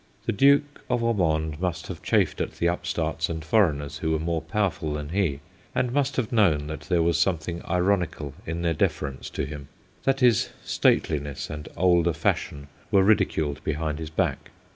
The Duke of Ormonde must have chafed at the upstarts and foreigners who were more powerful than he, and must have known that there was something ironical in their deference to him ; that his stateliness and older fashion were ridiculed behind his back.